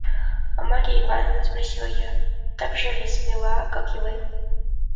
– А Марья Ивановна? – спросил я, – так же ли смела, как и вы?